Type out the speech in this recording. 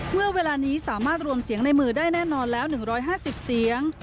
เมื่อเวลานี้สามารถรวมเสียงในมือได้แน่นอนแล้ว๑๕๐เสียง